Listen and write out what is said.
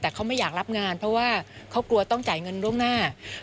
แต่เขาไม่อยากรับงานเพราะว่าเขากลัวต้องจ่ายเงินล่วงหน้า